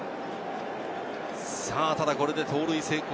ただ、これで盗塁成功。